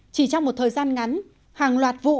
chỉ trong một thời gian ngắn hàng loạt vụ